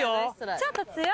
ちょっと強い。